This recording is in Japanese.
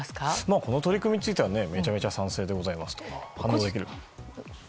この取り組みについてはめちゃめちゃ賛成でございます。